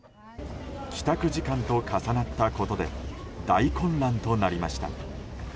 帰宅時間と重なったことで大混乱となりました。